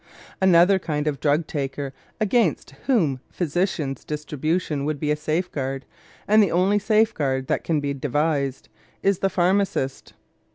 Another kind of drug taker against whom physicians' distribution would be a safeguard, and the only safeguard that can be devised, is the pharmacist.